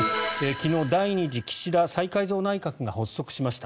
昨日、第２次岸田再改造内閣が発足しました。